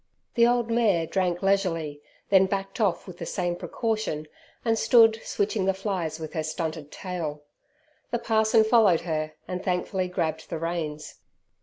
The old mare drank leisurely, then backed off with the same precaution, and stood switching the flies with her stunted tail. The parson followed her and thankfully grabbed the reins.